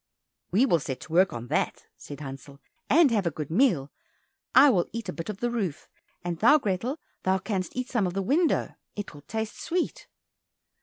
"We will set to work on that," said Hansel, "and have a good meal. I will eat a bit of the roof, and thou, Grethel, canst eat some of the window, it will taste sweet."